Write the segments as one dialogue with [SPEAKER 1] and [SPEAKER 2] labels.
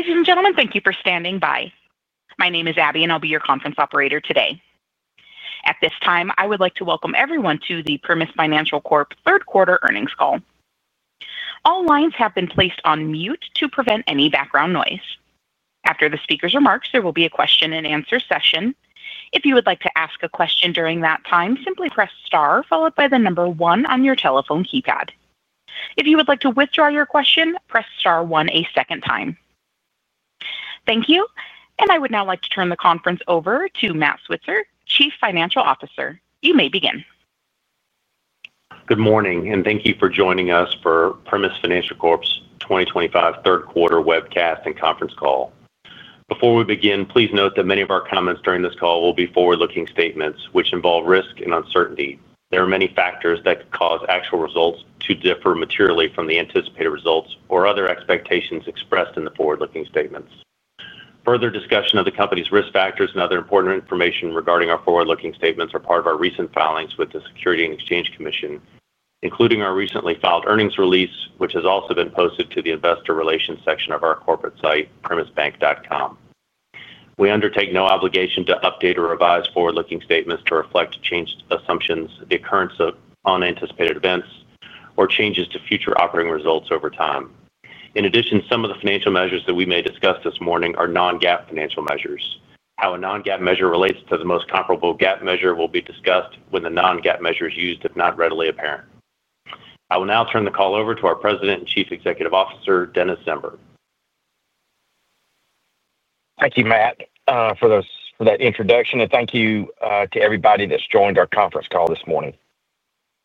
[SPEAKER 1] Ladies and gentlemen, thank you for standing by. My name is Abby, and I'll be your conference operator today. At this time, I would like to welcome everyone to the Primis Financial Corp third quarter earnings call. All lines have been placed on mute to prevent any background noise. After the speaker's remarks, there will be a question and answer session. If you would like to ask a question during that time, simply press star followed by the number one on your telephone keypad. If you would like to withdraw your question, press star one a second time. Thank you, and I would now like to turn the conference over to Matt Switzer, Chief Financial Officer. You may begin.
[SPEAKER 2] Good morning, and thank you for joining us for Primis Financial Corp's 2025 third quarter webcast and conference call. Before we begin, please note that many of our comments during this call will be forward-looking statements, which involve risk and uncertainty. There are many factors that could cause actual results to differ materially from the anticipated results or other expectations expressed in the forward-looking statements. Further discussion of the company's risk factors and other important information regarding our forward-looking statements are part of our recent filings with the Securities and Exchange Commission, including our recently filed earnings release, which has also been posted to the Investor Relations section of our corporate site, primisbank.com. We undertake no obligation to update or revise forward-looking statements to reflect changed assumptions, the occurrence of unanticipated events, or changes to future operating results over time. In addition, some of the financial measures that we may discuss this morning are non-GAAP financial measures. How a non-GAAP measure relates to the most comparable GAAP measure will be discussed when the non-GAAP measures used are not readily apparent. I will now turn the call over to our President and Chief Executive Officer, Dennis Zember.
[SPEAKER 3] Thank you, Matt, for that introduction, and thank you to everybody that's joined our conference call this morning.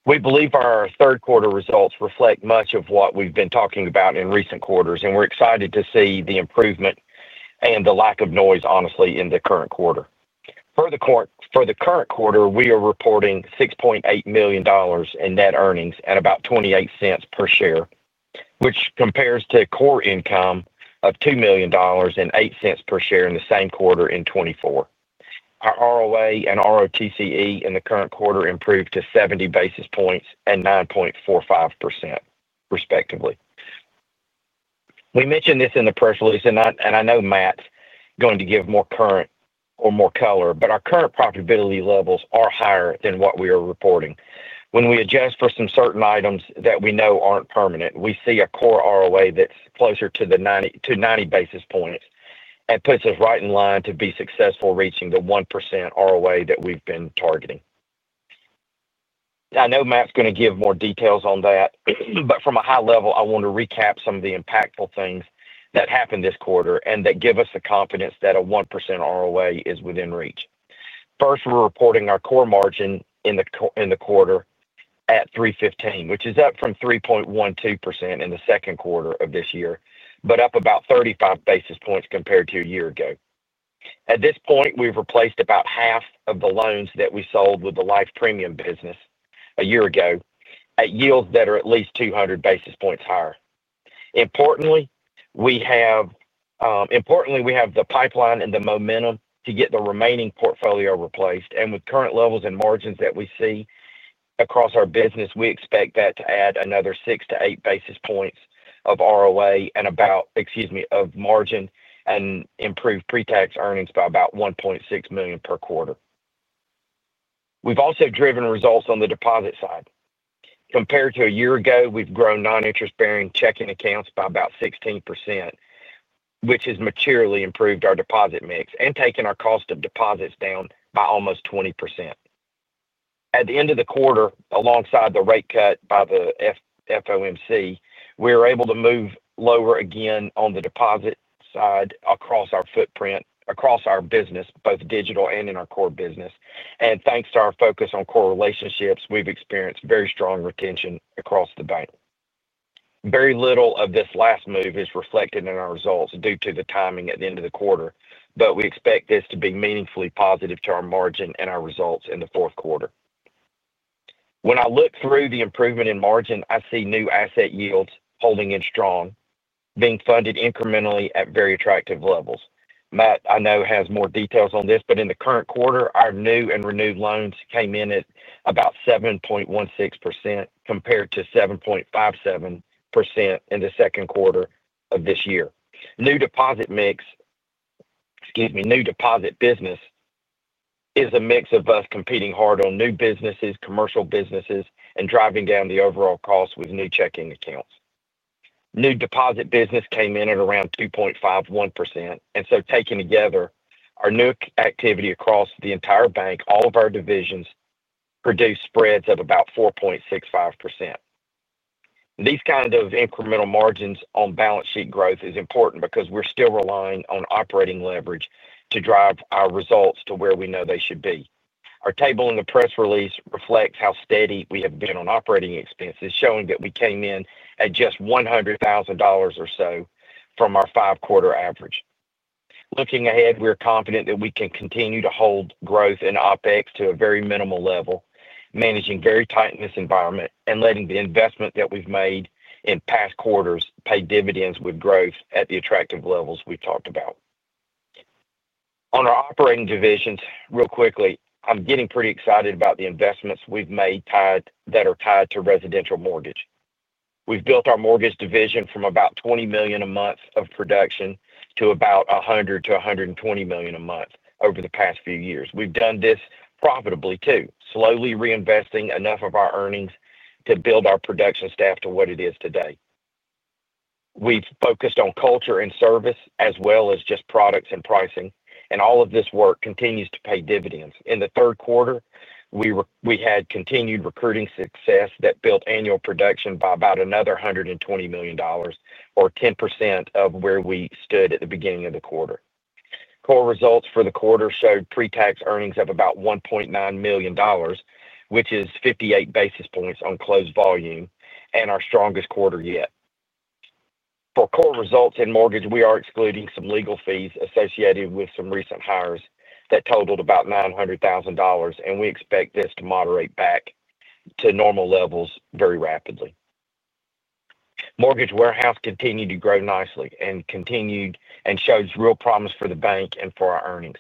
[SPEAKER 3] We believe our third quarter results reflect much of what we've been talking about in recent quarters, and we're excited to see the improvement and the lack of noise, honestly, in the current quarter. For the current quarter, we are reporting $6.8 million in net earnings and about $0.28 per share, which compares to core income of $2 million and $0.08 per share in the same quarter in 2024. Our ROA and ROTCE in the current quarter improved to 70 basis points and 9.45%, respectively. We mentioned this in the press release, and I know Matt is going to give more current or more color, but our current profitability levels are higher than what we are reporting. When we adjust for some certain items that we know aren't permanent, we see a core ROA that's closer to 90 basis points and puts us right in line to be successful reaching the 1% ROA that we've been targeting. I know Matt's going to give more details on that, but from a high level, I want to recap some of the impactful things that happened this quarter and that give us the confidence that a 1% ROA is within reach. First, we're reporting our core margin in the quarter at 3.15%, which is up from 3.12% in the second quarter of this year, but up about 35 basis points compared to a year ago. At this point, we've replaced about half of the loans that we sold with the life premium business a year ago at yields that are at least 200 basis points higher. Importantly, we have the pipeline and the momentum to get the remaining portfolio replaced, and with current levels and margins that we see across our business, we expect that to add another six to eight basis points of margin and improved pre-tax earnings by about $1.6 million per quarter. We've also driven results on the deposit side. Compared to a year ago, we've grown non-interest-bearing checking accounts by about 16%, which has materially improved our deposit mix and taken our cost of deposits down by almost 20%. At the end of the quarter, alongside the rate cut by the FOMC, we were able to move lower again on the deposit side across our footprint, across our business, both digital and in our core business. Thanks to our focus on core relationships, we've experienced very strong retention across the bank. Very little of this last move is reflected in our results due to the timing at the end of the quarter, but we expect this to be meaningfully positive to our margin and our results in the fourth quarter. When I look through the improvement in margin, I see new asset yields holding in strong, being funded incrementally at very attractive levels. Matt, I know, has more details on this, but in the current quarter, our new and renewed loans came in at about 7.16% compared to 7.57% in the second quarter of this year. New deposit mix, excuse me, new deposit business is a mix of us competing hard on new businesses, commercial businesses, and driving down the overall cost with new checking accounts. New deposit business came in at around 2.51%, and so taken together, our new activity across the entire bank, all of our divisions produce spreads of about 4.65%. These kinds of incremental margins on balance sheet growth are important because we're still relying on operating leverage to drive our results to where we know they should be. Our table in the press release reflects how steady we have been on operating expenses, showing that we came in at just $100,000 or so from our five-quarter average. Looking ahead, we're confident that we can continue to hold growth and OpEx to a very minimal level, managing very tight in this environment, and letting the investment that we've made in past quarters pay dividends with growth at the attractive levels we've talked about. On our operating divisions, real quickly, I'm getting pretty excited about the investments we've made that are tied to residential mortgage. We've built our mortgage division from about $20 million a month of production to about $100 to $120 million a month over the past few years. We've done this profitably too, slowly reinvesting enough of our earnings to build our production staff to what it is today. We've focused on culture and service as well as just products and pricing, and all of this work continues to pay dividends. In the third quarter, we had continued recruiting success that built annual production by about another $120 million, or 10% of where we stood at the beginning of the quarter. Core results for the quarter showed pre-tax earnings of about $1.9 million, which is 58 basis points on closed volume and our strongest quarter yet. For core results in mortgage, we are excluding some legal fees associated with some recent hires that totaled about $900,000, and we expect this to moderate back to normal levels very rapidly. Mortgage Warehouse division continued to grow nicely and showed real promise for the bank and for our earnings.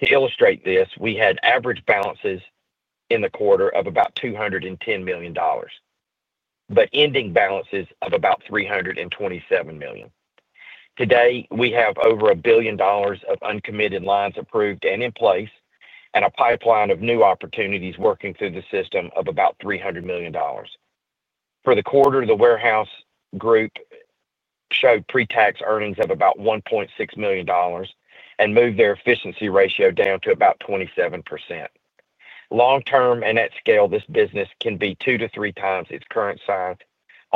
[SPEAKER 3] To illustrate this, we had average balances in the quarter of about $210 million, but ending balances of about $327 million. Today, we have over $1 billion of uncommitted lines approved and in place, and a pipeline of new opportunities working through the system of about $300 million. For the quarter, the warehouse group showed pre-tax earnings of about $1.6 million and moved their efficiency ratio down to about 27%. Long-term and at scale, this business can be 2x to 3x its current size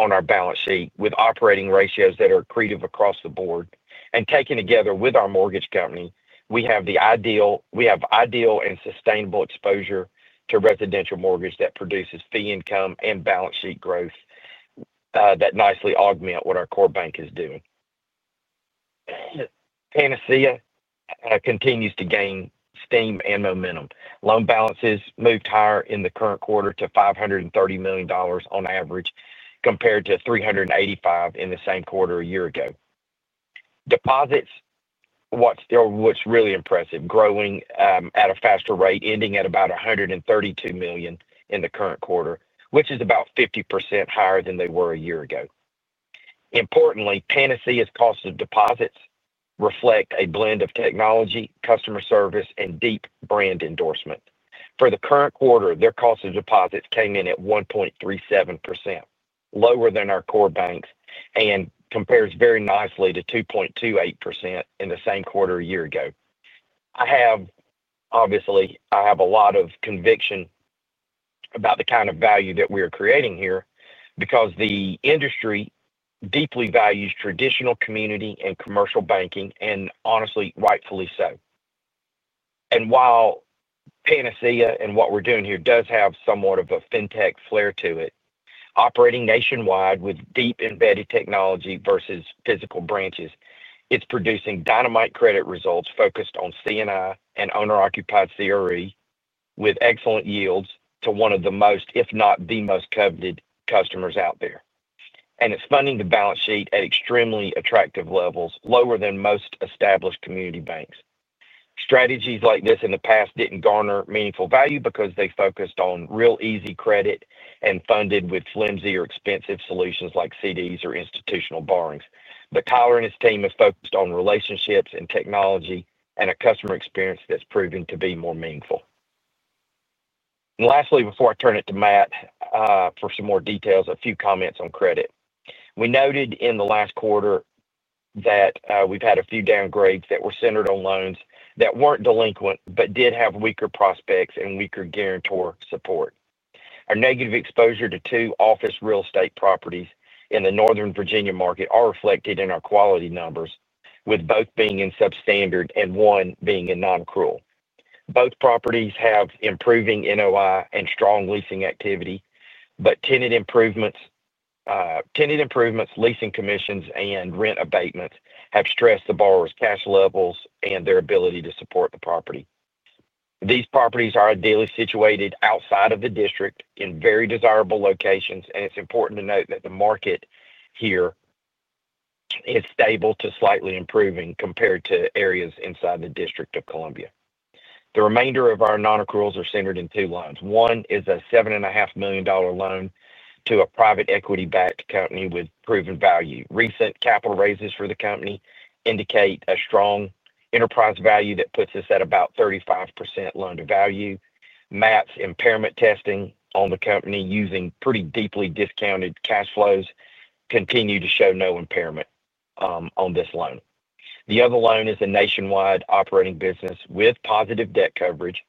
[SPEAKER 3] on our balance sheet with operating ratios that are accretive across the board. Taken together with our Mortgage Company, we have the ideal and sustainable exposure to residential mortgage that produces fee income and balance sheet growth that nicely augment what our core bank is doing. Panacea continues to gain steam and momentum. Loan balances moved higher in the current quarter to $530 million on average compared to $385 million in the same quarter a year ago. Deposits, what's really impressive, growing at a faster rate, ending at about $132 million in the current quarter, which is about 50% higher than they were a year ago. Importantly, Panacea's cost of deposits reflect a blend of technology, customer service, and deep brand endorsement. For the current quarter, their cost of deposits came in at 1.37%, lower than our core bank's, and compares very nicely to 2.28% in the same quarter a year ago. I have a lot of conviction about the kind of value that we are creating here because the industry deeply values traditional community and commercial banking, and honestly, rightfully so. While Panacea and what we're doing here does have somewhat of a fintech flair to it, operating nationwide with deep embedded technology versus physical branches, it's producing dynamite credit results focused on C&I credits and owner-occupied CRE with excellent yields to one of the most, if not the most, coveted customers out there. It's funding the balance sheet at extremely attractive levels, lower than most established community banks. Strategies like this in the past didn't garner meaningful value because they focused on real easy credit and funded with flimsy or expensive solutions like CDs or institutional borrowings. Tyler and his team have focused on relationships and technology and a customer experience that's proven to be more meaningful. Lastly, before I turn it to Matt for some more details, a few comments on credit. We noted in the last quarter that we've had a few downgrades that were centered on loans that weren't delinquent but did have weaker prospects and weaker guarantor support. Our negative exposure to two office real estate properties in the Northern Virginia market is reflected in our quality numbers, with both being in substandard and one being in non-accrual. Both properties have improving NOI and strong leasing activity, but tenant improvements, leasing commissions, and rent abatements have stressed the borrower's cash levels and their ability to support the property. These properties are ideally situated outside of the district in very desirable locations, and it's important to note that the market here is stable to slightly improving compared to areas inside the District of Columbia. The remainder of our non-accruals are centered in two lines. One is a $7.5 million loan to a private equity-backed company with proven value. Recent capital raises for the company indicate a strong enterprise value that puts us at about 35% loan to value. Matt's impairment testing on the company using pretty deeply discounted cash flows continues to show no impairment on this loan. The other loan is a nationwide operating business with positive debt coverage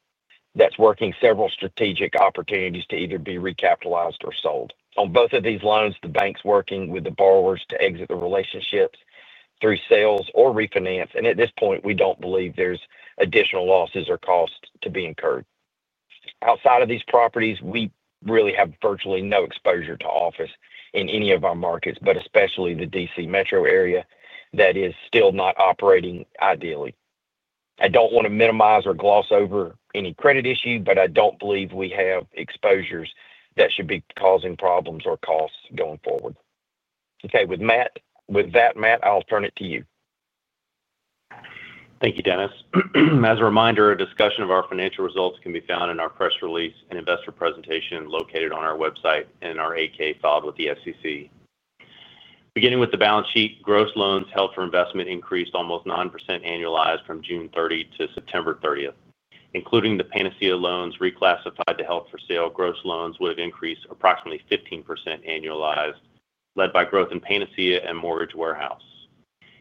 [SPEAKER 3] that's working several strategic opportunities to either be recapitalized or sold. On both of these loans, the bank's working with the borrowers to exit the relationships through sales or refinance, and at this point, we don't believe there's additional losses or costs to be incurred. Outside of these properties, we really have virtually no exposure to office in any of our markets, especially the DC metro area that is still not operating ideally. I don't want to minimize or gloss over any credit issue, but I don't believe we have exposures that should be causing problems or costs going forward. With that, Matt, I'll turn it to you.
[SPEAKER 2] Thank you, Dennis. As a reminder, a discussion of our financial results can be found in our press release and investor presentation located on our website and our 8-K filed with the SEC. Beginning with the balance sheet, gross loans held for investment increased almost 9% annualized from June 30th to September 30th. Including the Panacea loans reclassified to held for sale, gross loans would have increased approximately 15% annualized, led by growth in Panacea and Mortgage Warehouse.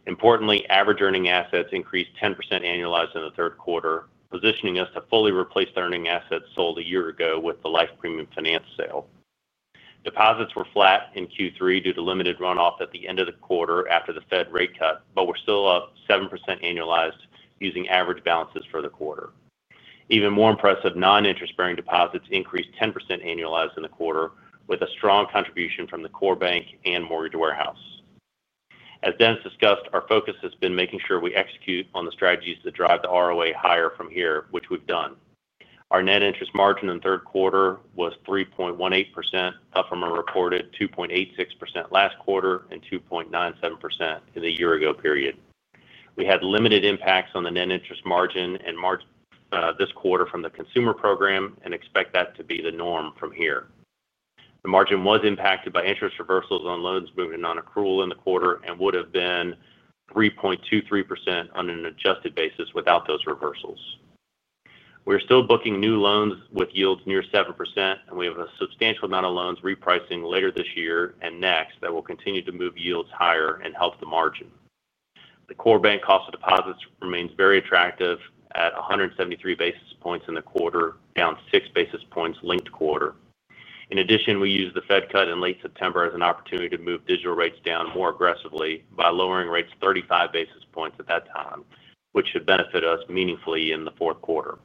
[SPEAKER 2] Importantly, average earning assets increased 10% annualized in the third quarter, positioning us to fully replace the earning assets sold a year ago with the life premium finance sale. Deposits were flat in Q3 due to limited runoff at the end of the quarter after the Fed rate cut, but we're still up 7% annualized using average balances for the quarter. Even more impressive, non-interest-bearing deposits increased 10% annualized in the quarter with a strong contribution from the core bank and Mortgage Warehouse. As Dennis discussed, our focus has been making sure we execute on the strategies that drive the ROA higher from here, which we've done. Our net interest margin in the third quarter was 3.18%, up from a reported 2.86% last quarter and 2.97% in the year-ago period. We had limited impacts on the net interest margin and margin this quarter from the consumer program and expect that to be the norm from here. The margin was impacted by interest reversals on loans moving to nonaccrual in the quarter and would have been 3.23% on an adjusted basis without those reversals. We're still booking new loans with yields near 7%, and we have a substantial amount of loans repricing later this year and next that will continue to move yields higher and help the margin. The core bank cost of deposits remains very attractive at 173 basis points in the quarter, down six basis points linked quarter. In addition, we used the Fed cut in late September as an opportunity to move digital rates down more aggressively by lowering rates 35 basis points at that time, which should benefit us meaningfully in the fourth quarter.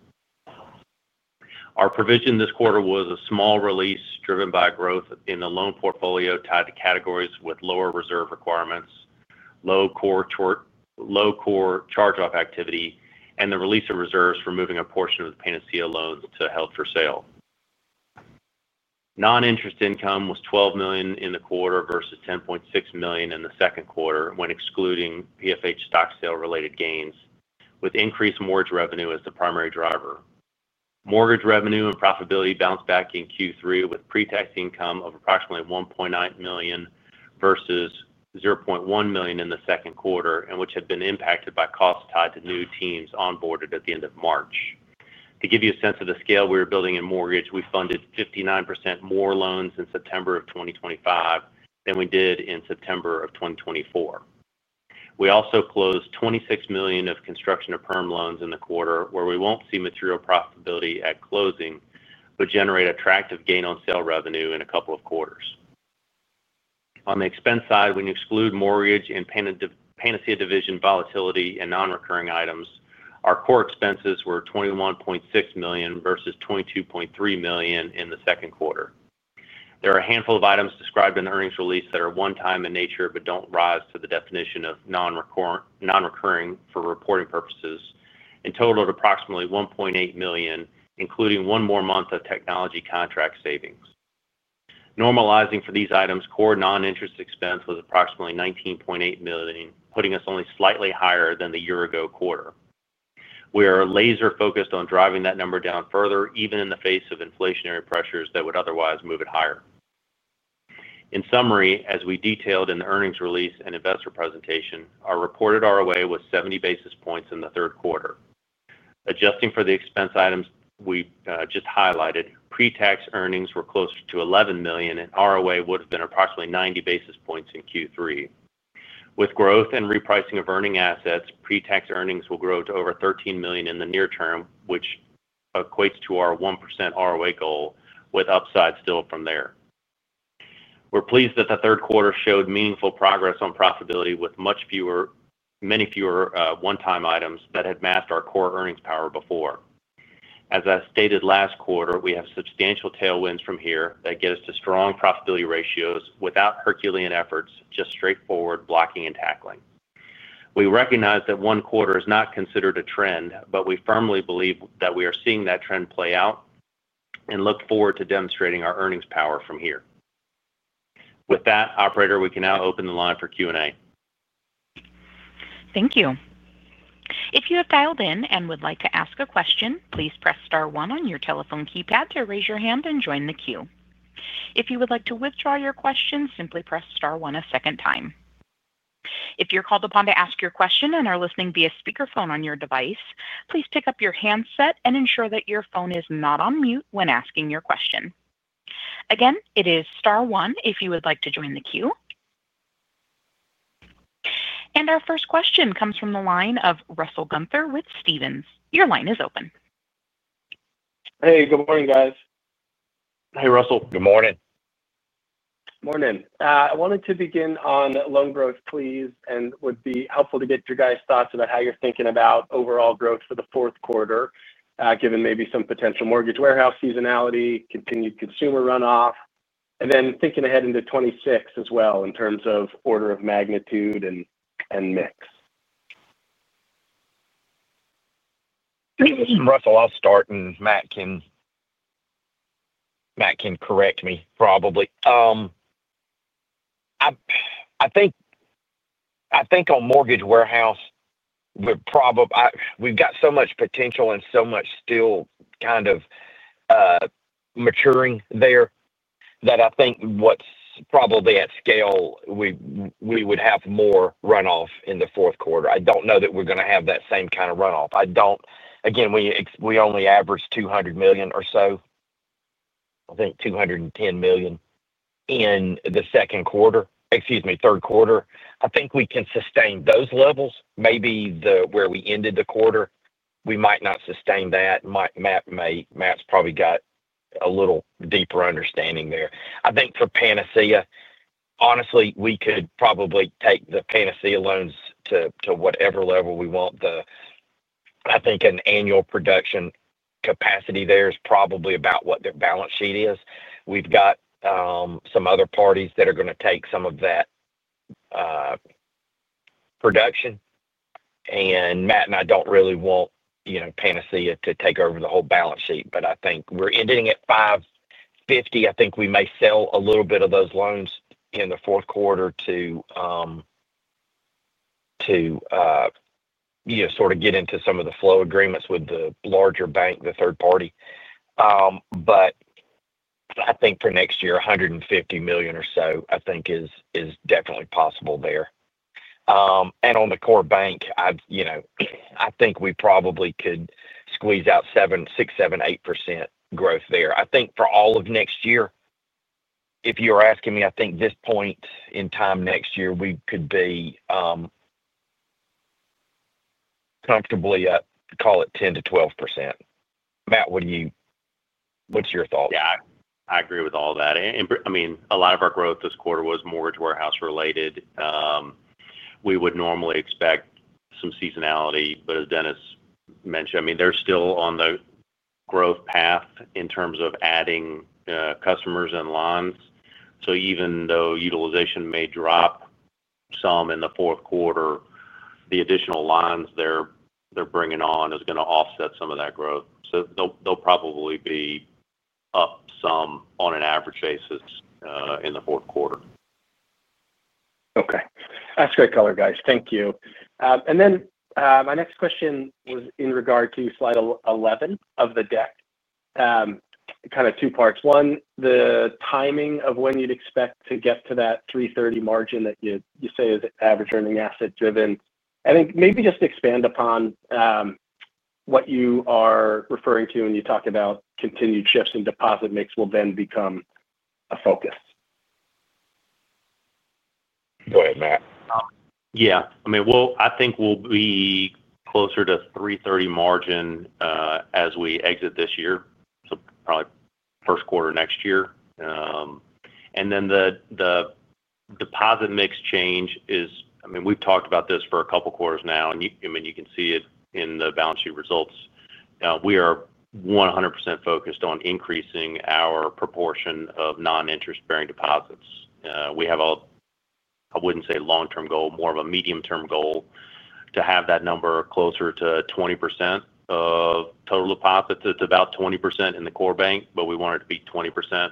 [SPEAKER 2] Our provision this quarter was a small release driven by growth in the loan portfolio tied to categories with lower reserve requirements, low core charge-off activity, and the release of reserves for moving a portion of the Panacea loans to held for sale. Non-interest income was $12 million in the quarter versus $10.6 million in the second quarter when excluding PFH stock sale-related gains, with increased mortgage revenue as the primary driver. Mortgage revenue and profitability bounced back in Q3 with pre-tax income of approximately $1.8 million versus $0.1 million in the second quarter, which had been impacted by costs tied to new teams onboarded at the end of March. To give you a sense of the scale we were building in mortgage, we funded 59% more loans in September of 2025 than we did in September of 2024. We also closed $26 million of construction-to-perm loans in the quarter where we won't see material profitability at closing, but generate attractive gain on sale revenue in a couple of quarters. On the expense side, when you exclude mortgage and Panacea Division volatility and non-recurring items, our core expenses were $21.6 million versus $22.3 million in the second quarter. There are a handful of items described in the earnings release that are one-time in nature but don't rise to the definition of non-recurring for reporting purposes and totaled approximately $1.8 million, including one more month of technology contract savings. Normalizing for these items, core non-interest expense was approximately $19.8 million, putting us only slightly higher than the year-ago quarter. We are laser-focused on driving that number down further, even in the face of inflationary pressures that would otherwise move it higher. In summary, as we detailed in the earnings release and investor presentation, our reported ROA was 70 basis points in the third quarter. Adjusting for the expense items we just highlighted, pre-tax earnings were closer to $11 million and ROA would have been approximately 90 basis points in Q3. With growth and repricing of earning assets, pre-tax earnings will grow to over $13 million in the near term, which equates to our 1% ROA goal, with upside still from there. We're pleased that the third quarter showed meaningful progress on profitability with many fewer one-time items that had masked our core earnings power before. As I stated last quarter, we have substantial tailwinds from here that get us to strong profitability ratios without Herculean efforts, just straightforward blocking and tackling. We recognize that one quarter is not considered a trend, but we firmly believe that we are seeing that trend play out and look forward to demonstrating our earnings power from here. With that, operator, we can now open the line for Q&A.
[SPEAKER 1] Thank you. If you have dialed in and would like to ask a question, please press star one on your telephone keypad to raise your hand and join the queue. If you would like to withdraw your question, simply press star one a second time. If you're called upon to ask your question and are listening via speakerphone on your device, please pick up your handset and ensure that your phone is not on mute when asking your question. Again, it is star one if you would like to join the queue. Our first question comes from the line of Russell Gunther with Stephens. Your line is open.
[SPEAKER 4] Hey, good morning, guys.
[SPEAKER 2] Hey, Russell.
[SPEAKER 3] Good morning.
[SPEAKER 4] Morning. I wanted to begin on loan growth, please, and would be helpful to get your guys' thoughts about how you're thinking about overall growth for the fourth quarter, given maybe some potential Mortgage Warehouse seasonality, continued consumer runoff, and then thinking ahead into 2026 as well in terms of order of magnitude and mix.
[SPEAKER 3] Russell, I'll start, and Matt can correct me probably. I think on Mortgage Warehouse, we've got so much potential and so much still kind of maturing there that I think at scale, we would have more runoff in the fourth quarter. I don't know that we're going to have that same kind of runoff. I don't. We only average $200 million or so. I think $210 million in the third quarter. I think we can sustain those levels. Maybe where we ended the quarter, we might not sustain that. Matt's probably got a little deeper understanding there. I think for Panacea, honestly, we could probably take the Panacea loans to whatever level we want. I think an annual production capacity there is probably about what their balance sheet is. We've got some other parties that are going to take some of that production. Matt and I don't really want Panacea to take over the whole balance sheet, but I think we're ending at $550 million. I think we may sell a little bit of those loans in the fourth quarter to, you know, sort of get into some of the flow agreements with the larger bank, the third party. I think for next year, $150 million or so is definitely possible there. On the core bank, I think we probably could squeeze out 7%, 6%, 7%, 8% growth there. I think for all of next year, if you were asking me, I think this point in time next year, we could be comfortably at, call it, 10%-12%. Matt, what's your thought?
[SPEAKER 2] Yeah, I agree with all that. I mean, a lot of our growth this quarter was Mortgage Warehouse division related. We would normally expect some seasonality, but as Dennis mentioned, they're still on the growth path in terms of adding customers and lines. Even though utilization may drop some in the fourth quarter, the additional lines they're bringing on is going to offset some of that growth. They'll probably be up some on an average basis in the fourth quarter.
[SPEAKER 4] Okay. That's great color, guys. Thank you. My next question was in regard to Slide 11 of the deck. Kind of two parts. One, the timing of when you'd expect to get to that 3.30% margin that you say is average earning asset driven. I think maybe just to expand upon what you are referring to when you talk about continued shifts in deposit mix will then become a focus.
[SPEAKER 3] Go ahead, Matt.
[SPEAKER 2] Yeah, I mean, I think we'll be closer to 3.30% margin as we exit this year, probably first quarter next year. The deposit mix change is, I mean, we've talked about this for a couple of quarters now, and you can see it in the balance sheet results. We are 100% focused on increasing our proportion of non-interest-bearing deposits. We have a, I wouldn't say long-term goal, more of a medium-term goal to have that number closer to 20% of total deposits. It's about 20% in the core bank, but we want it to be 20%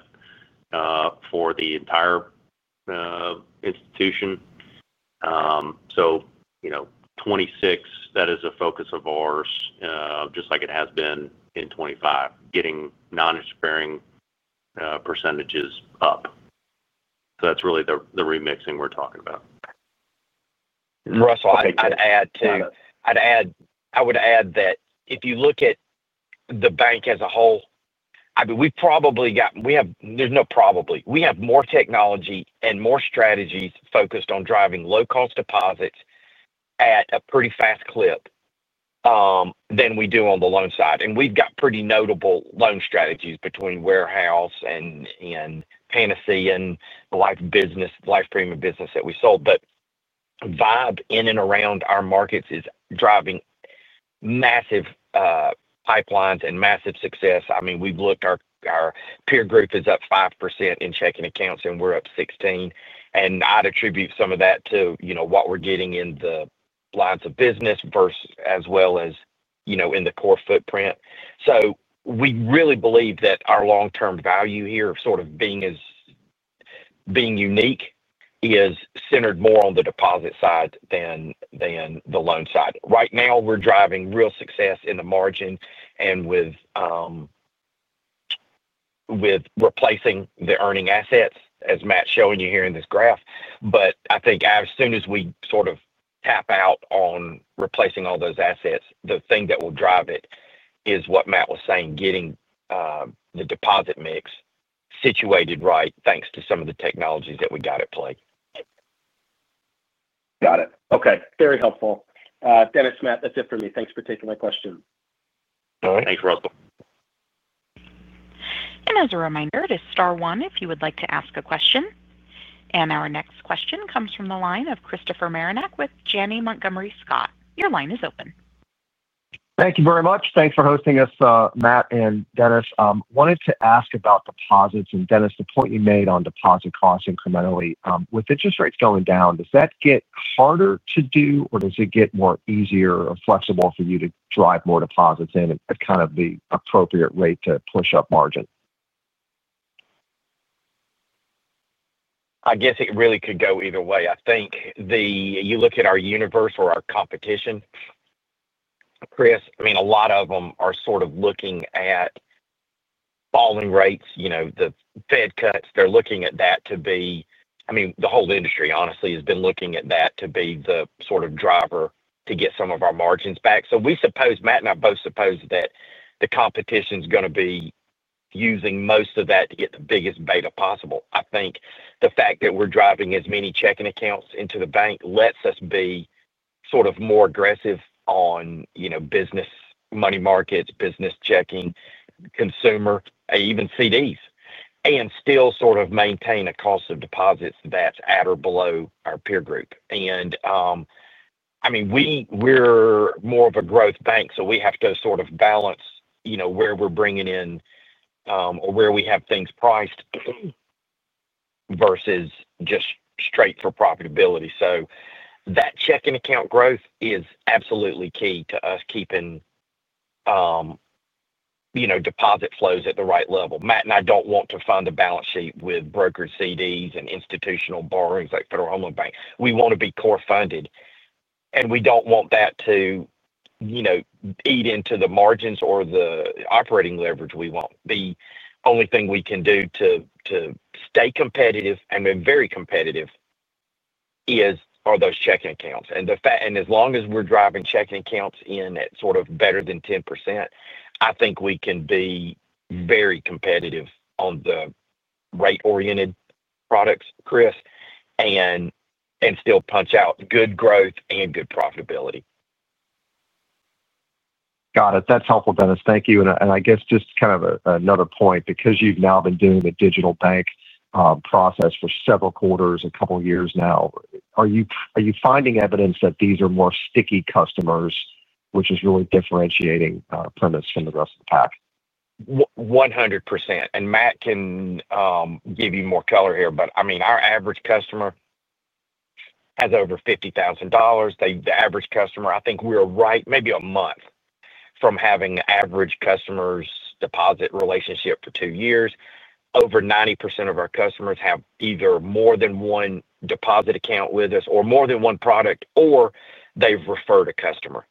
[SPEAKER 2] for the entire institution. You know, 2026, that is a focus of ours, just like it has been in 2025, getting non-interest-bearing percentages up. That's really the remixing we're talking about.
[SPEAKER 3] Russell, I'd add that if you look at the bank as a whole, I mean, we have more technology and more strategies focused on driving low-cost deposits at a pretty fast clip than we do on the loan side. We've got pretty notable loan strategies between the Mortgage Warehouse division and Panacea and the life business, the life premium business that we sold. V1BE in and around our markets is driving massive pipelines and massive success. We've looked, our peer group is up 5% in checking accounts, and we're up 16%. I'd attribute some of that to what we're getting in the lines of business as well as in the core footprint. We really believe that our long-term value here of being unique is centered more on the deposit side than the loan side. Right now, we're driving real success in the margin and with replacing the earning assets, as Matt's showing you here in this graph. I think as soon as we tap out on replacing all those assets, the thing that will drive it is what Matt was saying, getting the deposit mix situated right thanks to some of the technologies that we got at play.
[SPEAKER 4] Got it. Okay. Very helpful. Dennis, Matt, that's it for me. Thanks for taking my question.
[SPEAKER 2] All right.
[SPEAKER 3] Thanks, Russell.
[SPEAKER 1] As a reminder, it is star one if you would like to ask a question. Our next question comes from the line of Christopher Marinac with Janney Montgomery Scott. Your line is open.
[SPEAKER 5] Thank you very much. Thanks for hosting us, Matt and Dennis. I wanted to ask about deposits and, Dennis, the point you made on deposit costs incrementally. With interest rates going down, does that get harder to do, or does it get more easy or flexible for you to drive more deposits in at kind of the appropriate rate to push up margin?
[SPEAKER 3] I guess it really could go either way. I think you look at our universe or our competition, Chris, I mean, a lot of them are sort of looking at falling rates, you know, the Fed cuts. They're looking at that to be, I mean, the whole industry, honestly, has been looking at that to be the sort of driver to get some of our margins back. We suppose, Matt and I both suppose, that the competition is going to be using most of that to get the biggest beta possible. I think the fact that we're driving as many checking accounts into the bank lets us be sort of more aggressive on, you know, business money markets, business checking, consumer, even CDs, and still sort of maintain a cost of deposits that's at or below our peer group. I mean, we're more of a growth bank, so we have to sort of balance, you know, where we're bringing in, or where we have things priced versus just straight for profitability. That checking account growth is absolutely key to us keeping, you know, deposit flows at the right level. Matt and I don't want to fund a balance sheet with brokered CDs and institutional borrowings like Federal Home Loan Bank. We want to be core funded, and we don't want that to, you know, eat into the margins or the operating leverage we want. The only thing we can do to stay competitive, and we're very competitive, is for those checking accounts. As long as we're driving checking accounts in at sort of better than 10%, I think we can be very competitive on the rate-oriented products, Chris, and still punch out good growth and good profitability.
[SPEAKER 5] Got it. That's helpful, Dennis. Thank you. I guess just kind of another point, because you've now been doing the digital banking platform process for several quarters, a couple of years now, are you finding evidence that these are more sticky customers, which is really differentiating Primis from the rest of the pack?
[SPEAKER 3] 100%. Matt can give you more color here, but our average customer has over $50,000. The average customer, I think we're right maybe a month from having an average customer's deposit relationship for two years. Over 90% of our customers have either more than one deposit account with us or more than one product, or they've referred a customer.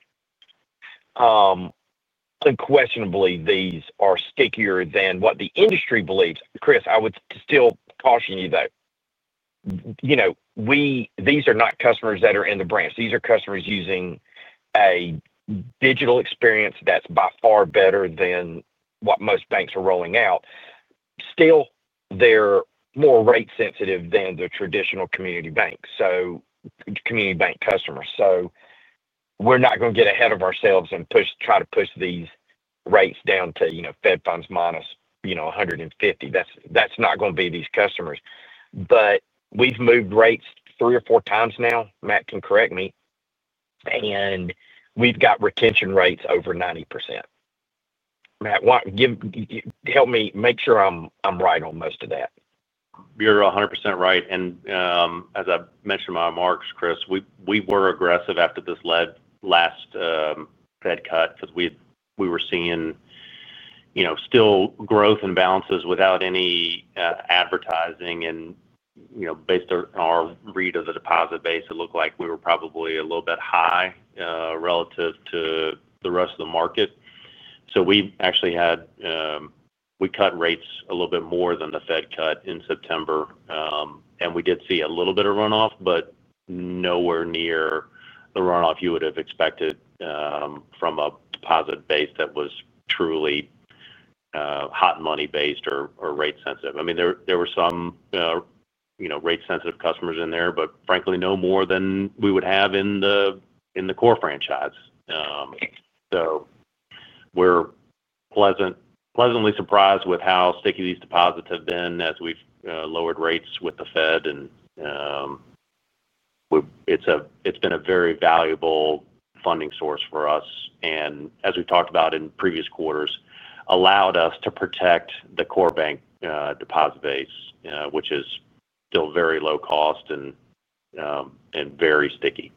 [SPEAKER 3] Unquestionably, these are stickier than what the industry believes. Chris, I would still caution you that these are not customers that are in the branch. These are customers using a digital experience that's by far better than what most banks are rolling out. Still, they're more rate-sensitive than the traditional community bank customers. We're not going to get ahead of ourselves and try to push these rates down to Fed funds minus 150. That's not going to be these customers. We've moved rates three or four times now, Matt can correct me, and we've got retention rates over 90%. Matt, help me make sure I'm right on most of that.
[SPEAKER 2] You're 100% right. As I mentioned in my remarks, Chris, we were aggressive after this last Fed cut because we were seeing, you know, still growth in balances without any advertising. Based on our read of the deposit base, it looked like we were probably a little bit high relative to the rest of the market. We actually cut rates a little bit more than the Fed cut in September. We did see a little bit of runoff, but nowhere near the runoff you would have expected from a deposit base that was truly hot and money-based or rate-sensitive. I mean, there were some rate-sensitive customers in there, but frankly, no more than we would have in the core franchise. We're pleasantly surprised with how sticky these deposits have been as we've lowered rates with the Fed. It's been a very valuable funding source for us. As we've talked about in previous quarters, it allowed us to protect the core bank deposit base, which is still very low cost and very sticky.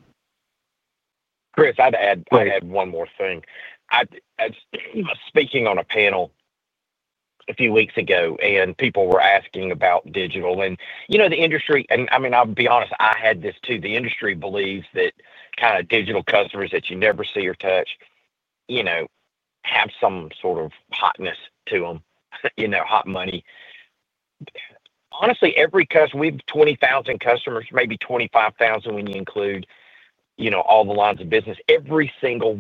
[SPEAKER 3] Chris, I'd add one more thing. I was speaking on a panel a few weeks ago, and people were asking about digital. You know, the industry, and I mean, I'll be honest, I had this too. The industry believes that kind of digital customers that you never see or touch, you know, have some sort of hotness to them, you know, hot money. Honestly, every customer, we have 20,000 customers, maybe 25,000 when you include, you know, all the lines of business. Every single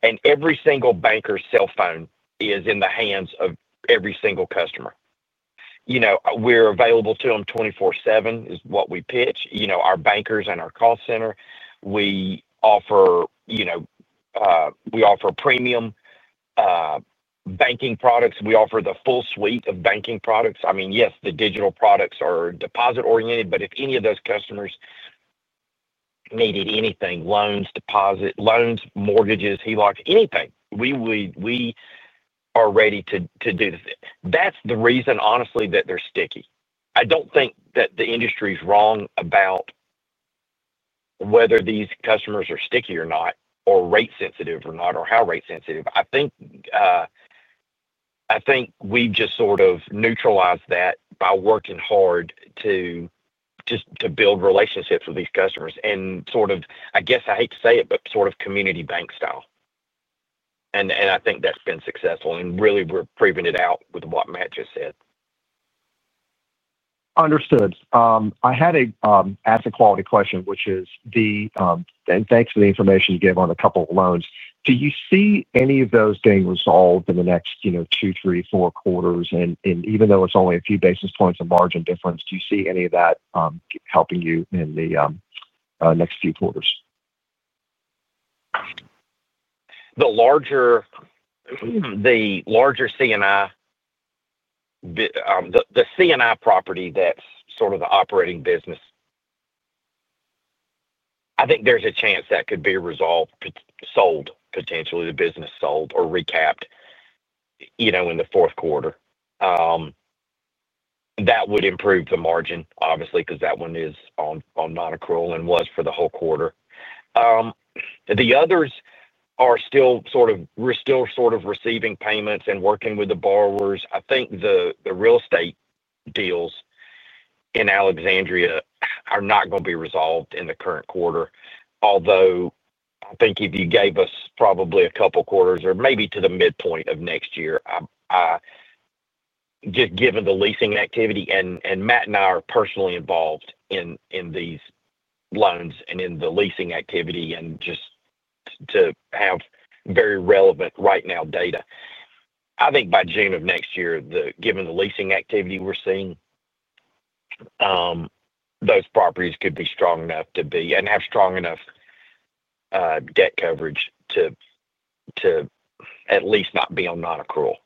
[SPEAKER 3] one of those customers has a banker. Every single banker's cell phone is in the hands of every single customer. You know, we're available to them 24/7 is what we pitch. Our bankers and our call center, we offer premium banking products. We offer the full suite of banking products. Yes, the digital products are deposit-oriented, but if any of those customers needed anything, loans, deposit loans, mortgages, HELOCs, anything, we are ready to do this. That's the reason, honestly, that they're sticky. I don't think that the industry is wrong about whether these customers are sticky or not, or rate-sensitive or not, or how rate-sensitive. I think we've just sort of neutralized that by working hard to build relationships with these customers and sort of, I guess I hate to say it, but sort of community bank style. I think that's been successful. Really, we're proving it out with what Matt just said.
[SPEAKER 5] Understood. I had an asset quality question, which is the, and thanks for the information you gave on a couple of loans. Do you see any of those being resolved in the next two, three, four quarters? Even though it's only a few basis points of margin difference, do you see any of that helping you in the next few quarters?
[SPEAKER 3] The larger C&I, the C&I property that's sort of the operating business, I think there's a chance that could be resolved, sold, potentially, the business sold or recapped in the fourth quarter. That would improve the margin, obviously, because that one is on non-accrual and was for the whole quarter. The others are still sort of, we're still sort of receiving payments and working with the borrowers. I think the real estate deals in Alexandria are not going to be resolved in the current quarter, although I think if you gave us probably a couple of quarters or maybe to the midpoint of next year, just given the leasing activity, and Matt and I are personally involved in these loans and in the leasing activity, and just to have very relevant right now data, I think by June of next year, given the leasing activity we're seeing, those properties could be strong enough to be and have strong enough debt coverage to at least not be on non-accrual.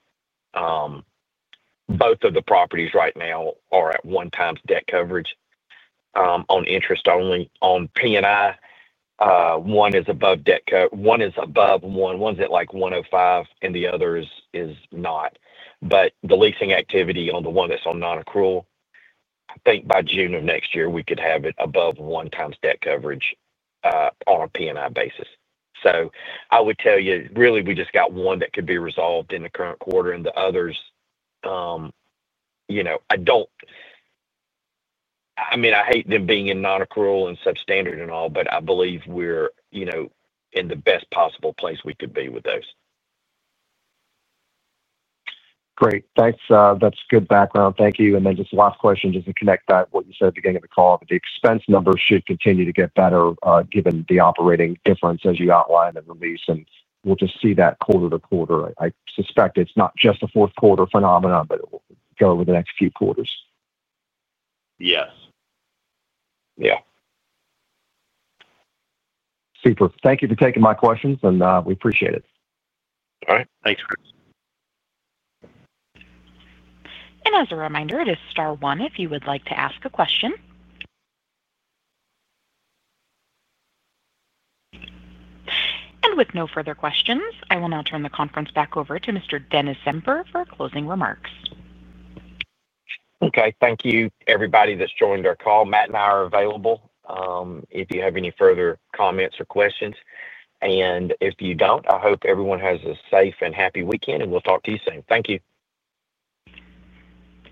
[SPEAKER 3] Both of the properties right now are at one-time debt coverage, on interest only. On P&I, one is above debt coverage, one is above one, one's at like 1.05, and the other is not. The leasing activity on the one that's on non-accrual, I think by June of next year, we could have it above one-time debt coverage, on a P&I basis. I would tell you, really, we just got one that could be resolved in the current quarter, and the others, I don't, I mean, I hate them being in non-accrual and substandard and all, but I believe we're in the best possible place we could be with those.
[SPEAKER 5] Great. Thanks. That's good background. Thank you. Just the last question, just to connect that to what you said at the beginning of the call, the expense numbers should continue to get better given the operating difference as you outline and release, and we'll just see that quarter to quarter. I suspect it's not just a fourth quarter phenomenon, but it will go over the next few quarters.
[SPEAKER 3] Yes. Yeah.
[SPEAKER 5] Super. Thank you for taking my questions, and we appreciate it.
[SPEAKER 3] All right. Thanks, Chris.
[SPEAKER 1] As a reminder, it is star one if you would like to ask a question. With no further questions, I will now turn the conference back over to Mr. Dennis Zember for closing remarks.
[SPEAKER 3] Okay. Thank you, everybody that's joined our call. Matt and I are available if you have any further comments or questions. If you don't, I hope everyone has a safe and happy weekend, and we'll talk to you soon. Thank you.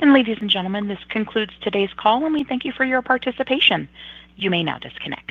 [SPEAKER 1] Ladies and gentlemen, this concludes today's call, and we thank you for your participation. You may now disconnect.